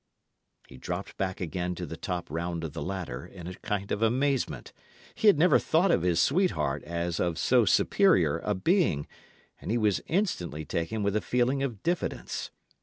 He dropped back again to the top round of the ladder in a kind of amazement. He had never thought of his sweetheart as of so superior a being, and he was instantly taken with a feeling of diffidence.